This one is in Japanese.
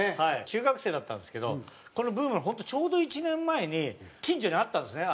中学生だったんですけどこのブームの本当ちょうど１年前に近所にあったんですね